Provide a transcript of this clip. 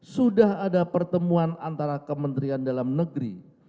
sudah ada pertemuan antara kementerian dalam negeri